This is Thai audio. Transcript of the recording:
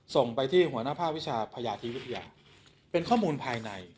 ส่งไปที่หัวหน้าภาควิชาพญาธิวิทยาเป็นข้อมูลภายใน